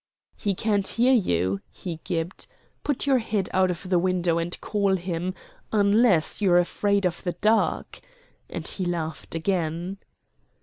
"He can't hear you," he gibed. "Put your head out of the window and call him, unless; you're afraid of the dark," and he laughed again.